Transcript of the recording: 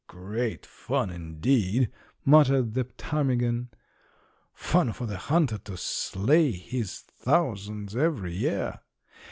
"Great fun, indeed!" muttered the ptarmigan; "fun for the hunter to slay his thousands every year."